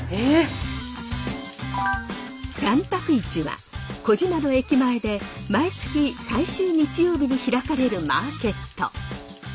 三白市は児島の駅前で毎月最終日曜日に開かれるマーケット。